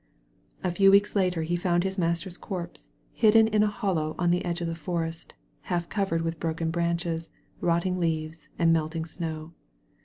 A few weeks later he found his master's corpse hidden in a hollow on the edge of the forest, half covered with broken branches, rotting leaves, and melting snow.